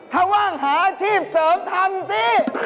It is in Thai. ถ้าว่างหาอาชีพเสริมทำสิ